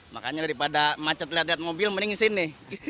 makanya daripada macet lihat lihat mobil mending sini